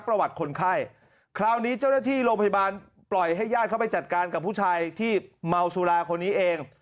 ประวัติคนไข้คราวนี้เจ้าหน้าที่โรงพยาบาลปล่อยให้ญาติเข้าไปจัดการกับผู้ชายที่เมาสุราคนนี้เอง